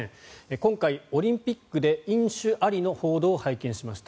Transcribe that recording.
今回、オリンピックで飲酒ありの報道を拝見しました。